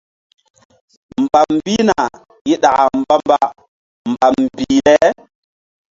Mbam mbihna i ɗaka mbamba mbam mbih le.